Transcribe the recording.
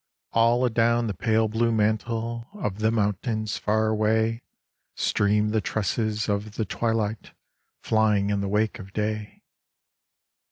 All adown the pale blue mantle of the mountains far away Stream the tresses of the twilight flying in the wake of day.